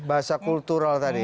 bahasa kultural tadi ya